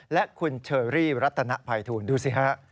และคุณเชอรี่รัตนภัยทูลดูสิฮะ